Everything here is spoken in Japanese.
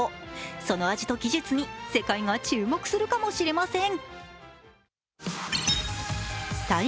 その味と技術に、世界が注目するかもしれません。